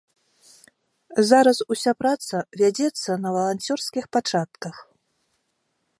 Зараз уся праца вядзецца на валанцёрскіх пачатках.